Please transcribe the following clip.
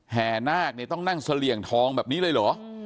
นาคเนี่ยต้องนั่งเสลี่ยงทองแบบนี้เลยเหรอ